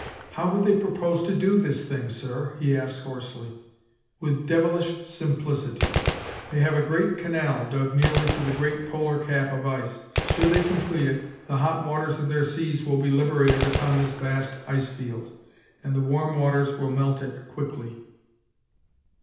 "How do they propose to do this thing sir?", he asked hoarsely. "With devilish simplicity. They have a great canal dug nearly to the great polar cap of ice. Should they complete it, the hot waters of their seas will be liberated upon this vast ice field, and the warm waters will melt it quickly.